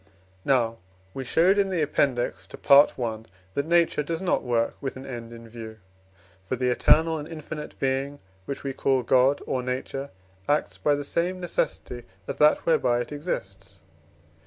Now we showed in the Appendix to Part I., that Nature does not work with an end in view. For the eternal and infinite Being, which we call God or Nature, acts by the same necessity as that whereby it exists.